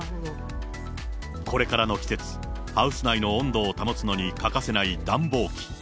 これからの季節、ハウス内の温度を保つのに欠かせない暖房機。